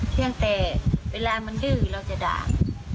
เพียงแต่เวลามันดื้อเราจะด่า